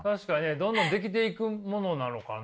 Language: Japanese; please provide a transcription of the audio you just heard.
どんどん出来ていくものなのかな。